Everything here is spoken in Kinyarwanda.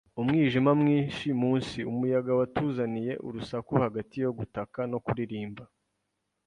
umwijima mwinshi munsi, umuyaga watuzaniye urusaku hagati yo gutaka no kuririmba.